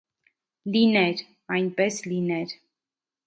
Լինե՛ր, այնպես լիներ.